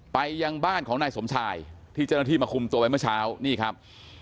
ไปยังบ้านของนายสมชายที่เจ้าหน้าที่มาคุมตัวไว้เมื่อเช้านี่ครับ